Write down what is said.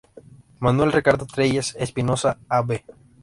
Manuel Ricardo Trelles, Espinosa, Av.